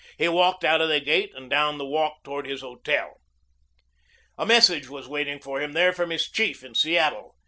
He walked out of the gate and down the walk toward his hotel. A message was waiting for him there from his chief in Seattle.